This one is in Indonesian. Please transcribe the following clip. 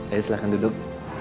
ayo silahkan duduk